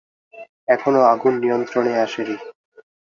এখনো আগুন নিয়ন্ত্রণে আসেনি।